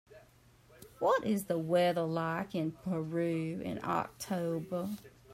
What is the weather like in Peru in October